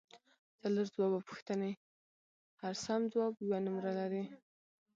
څلور ځوابه پوښتنې هر سم ځواب یوه نمره لري